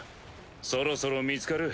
そろそろ見つかる。